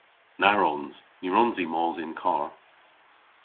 Na wrons! Ny wrons i mos yn karr.